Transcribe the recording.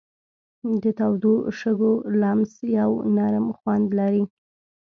د تودو شګو لمس یو نرم خوند لري.